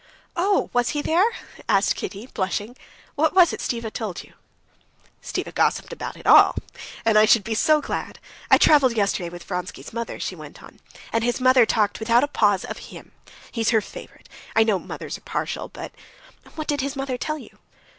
"Oh, was he there?" asked Kitty, blushing. "What was it Stiva told you?" "Stiva gossiped about it all. And I should be so glad ... I traveled yesterday with Vronsky's mother," she went on; "and his mother talked without a pause of him, he's her favorite. I know mothers are partial, but...." "What did his mother tell you?"